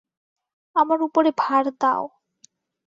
আমার উপরে ভার দাও।